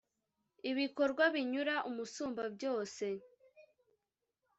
Ibikorwa binyura Umusumbabyose